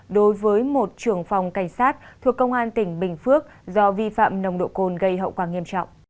đối với một trưởng phòng cảnh sát thuộc công an tỉnh bình phước do vi phạm nồng độ cồn gây hậu quả nghiêm trọng